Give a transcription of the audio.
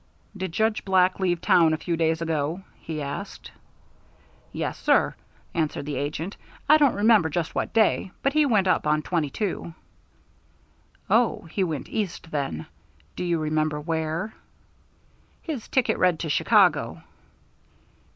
"Did Judge Black leave town a few days ago?" he asked. "Yes, sir," answered the agent. "I don't remember just what day, but he went up on twenty two." "Oh, he went east then. Do you remember where?" "His ticket read to Chicago."